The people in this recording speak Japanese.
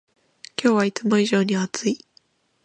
今日はいつも以上に暑い